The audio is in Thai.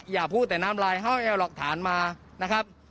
อย่าพูดแต่น้ำลายอาจารย์จะหลอกถานมานะครับ